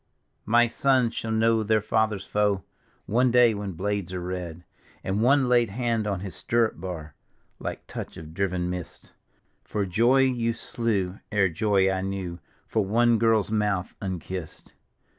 " My sons shall know their father's foe One day when blades are red." And one laid hand on his stirrup bar Like touch 0' driven mist, " For joy you slew ere joy I knew, For one girl's mouth unkissed.